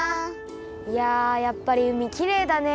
いややっぱりうみきれいだね。